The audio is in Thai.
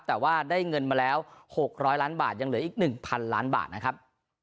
แต่ว่าได้เงินมาแล้ว๖๐๐ล้านบาทยังเหลืออีก๑๐๐ล้านบาทนะครับ